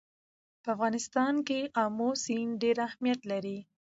په افغانستان کې آمو سیند ډېر اهمیت لري.